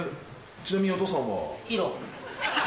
ちなみにお父さんは？